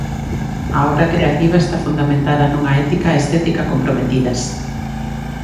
A obra creativa está fundamentada nunha ética e estética comprometidas.